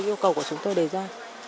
nhu cầu của chúng tôi đề ra